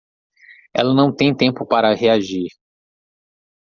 Ela não tem tempo para reagir